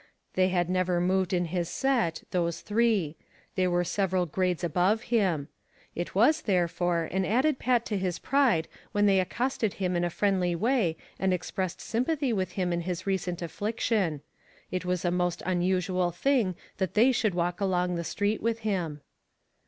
They had never moved in his set, those three. They were several grades above him. It was, therefore, an added pat to his pride when they accosted him in a friendly way and expressed sympathy with him in his recent affliction. It was a most unusual thing that they should walk along the street with him.